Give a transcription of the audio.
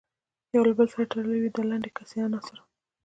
یو له بل سره تړلې وي د لنډې کیسې عناصر.